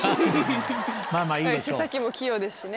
手先も器用ですしね